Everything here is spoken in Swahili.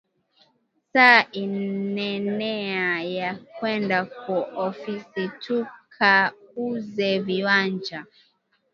Saa inenea ya kwenda ku ofisi tuka uze viwanja